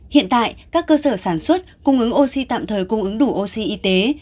hiện tại các cơ sở sản xuất cung ứng oxy tạm thời cung ứng đủ oxy y tế